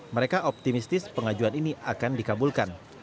mereka optimistis pengajuan ini akan dikabulkan